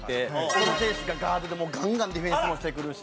その選手がガードでガンガンディフェンスもしてくるし。